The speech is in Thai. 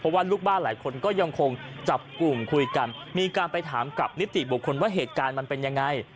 ว่าลูกบ้านหลายคนก็ยังคงจับกลุ่มคุยกันมีการไปถามกับนิติบุคคลว่าเหตุการณ์มันเป็นยังไง